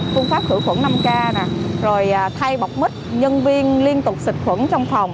phương pháp khử khuẩn năm k rồi thay bọc mít nhân viên liên tục xịt khuẩn trong phòng